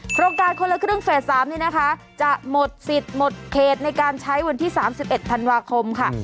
โครงการคนละครึ่งเฟส๓นี่นะคะจะหมดสิทธิ์หมดเขตในการใช้วันที่๓๑ธันวาคมค่ะ